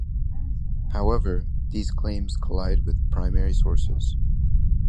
However, these claims collide with primary sources.